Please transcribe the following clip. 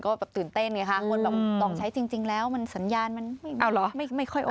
ก็ตื่นเต้นค่ะต้องใช้จริงแล้วสัญญาณมันไม่ค่อยโอเค